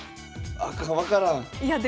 あかん分からん！